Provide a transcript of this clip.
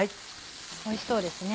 おいしそうですね。